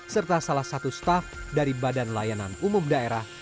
serta salah satu staff dari badan layanan umum daerah